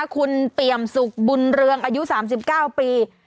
คุณเปี่ยมสุขบุญเรืองอายุ๓๙ปี